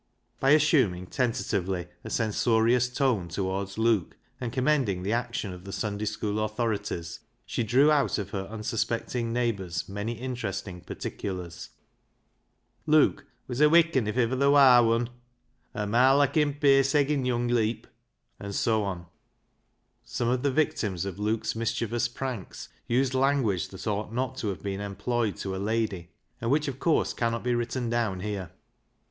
By assuming tentatively a censorious tone towards Luke, and commending the action of the Sunday school authorities, she drew out of her unsuspecting neighbours many interesting particulars. Luke was a " wik un if iver ther' war wun," " a marlockin', pace eggin' young imp," and so on. Some of the victims of Luke's mischievous pranks used language that ought not to have been employed to a lady, and which of course cannot be written down here.